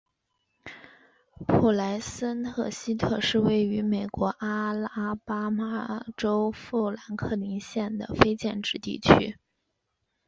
普莱森特西特是一个位于美国阿拉巴马州富兰克林县的非建制地区。